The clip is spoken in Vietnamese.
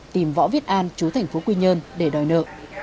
tìm võ viết an chú thành phố quy nhơn để đòi nợ